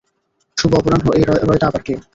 শুভ অপরাহ্ন এই রয়টা আবার কে?